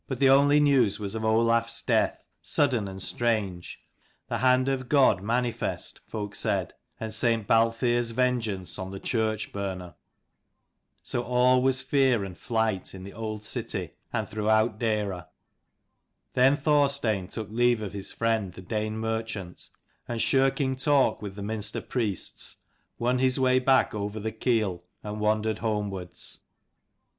[the only news was of Olaf s [death, sudden and strange, the hand of God manifest, folk said, and St. Balthere's vengeance on the church burner. So all was fear and flight in the old city and throughout Deira. Then Thorstein took leave of his friend the Dane merchant, and shirking talk with the Minster priests, won his way back over the Keel, and wandered homewards.